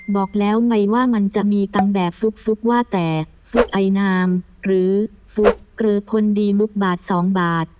บอกแล้วไงว่ามันจะมีตั้งแบบฟุกว่าแต่ฟุกไอนามหรือฟุกเกรอพลดีมุกบาท๒บาท